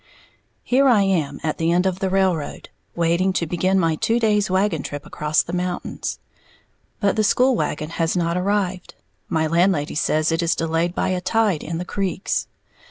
_ Here I am at the end of the railroad, waiting to begin my two days' wagon trip across the mountains. But the school wagon has not arrived, my landlady says it is delayed by a "tide" in the creeks.